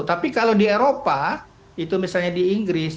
tapi kalau di eropa itu misalnya di inggris